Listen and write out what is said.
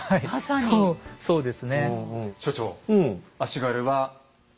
そうです。